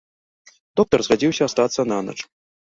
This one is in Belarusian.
Доктар згадзіўся астацца нанач.